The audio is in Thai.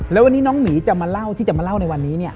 แล้ววันนี้น้องหมีจะมาเล่าที่จะมาเล่าในวันนี้เนี่ย